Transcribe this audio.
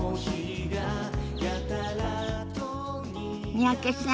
三宅さん